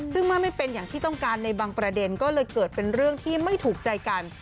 ซึ่งเมื่อไม่เป็นอย่างที่ต้องการในบางประเด็นก็เลยเกิดเป็นเรื่องที่ไม่ถูกใจกัน